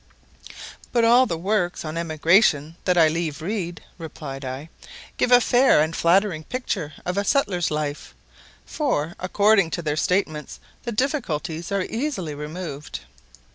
"But all the works on emigration that I leave read," replied I, "give a fair and flattering picture of a settler's life; for, according to their statements, the difficulties are easily removed."